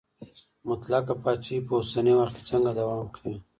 مطلقه پاچاهي په اوسني وخت کي څنګه دوام کوي؟